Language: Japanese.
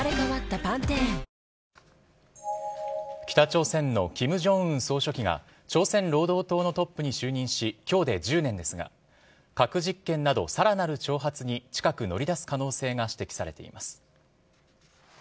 北朝鮮のキム・ジョンウン総書記が、朝鮮労働党のトップに就任し、きょうで１０年ですが、核実験などさらなる挑発に近く乗り出す可能性が指摘されています。